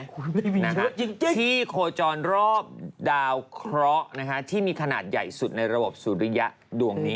ไม่มีจริงที่โคจรรอบดาวเคราะห์ที่มีขนาดใหญ่สุดในระบบสุริยะดวงนี้